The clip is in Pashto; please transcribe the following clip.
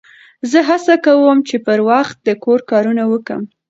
زه هڅه کوم، چي پر وخت د کور کارونه وکم.